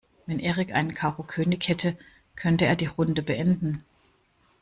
Wenn Erik einen Karo-König hätte, könnte er die Runde beenden.